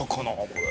これ。